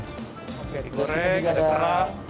oke digoreng ada kerang